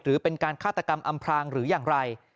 หรือเป็นการฆาตกรรมอำพรางหรืออย่างไร